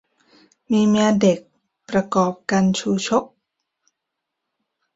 มีเมียเด็ก ประกอบกัณฑ์ชูชก